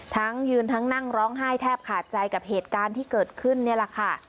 ทั้งยืนทั้งนั่งร้องไห้แทบขาดใจกับเหตุการณ์ที่เกิดขึ้นนี่แหละค่ะ